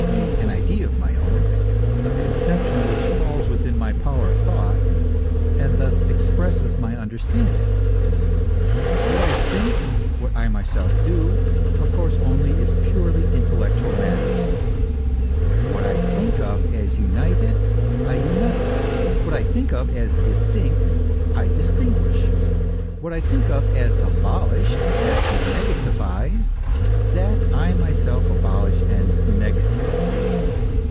e. an idea of my own, a conception which falls within my power of thought, and thus expresses my understanding. What I think, that I myself do, of course only in purely intellectual matters ; what I think of as united, I unite ; what I think of as distinct, I distinguish ; what I think of as abolished, as negatived, that I myself abolish and negative.